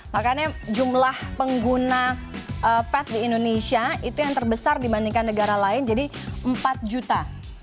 makanya jumlah pengguna pet di indonesia itu yang terbesar dibandingkan negara lain jadi empat juta